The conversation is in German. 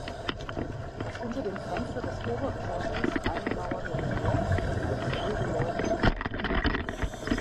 Das unter dem Fenster des Obergeschosses eingemauerte Relief wird als "Wilde Leute" bezeichnet.